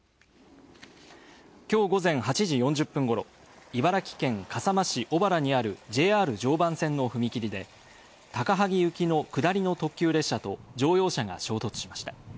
きょう午前８時４０分頃、茨城県笠間市小原にあるＪＲ常磐線の踏切で、高萩行きの下りの特急列車と乗用車が衝突しました。